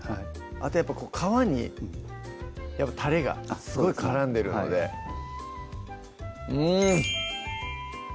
あとやっぱ皮にたれがすごい絡んでるのでうん！